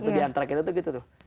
di antara kita tuh gitu tuh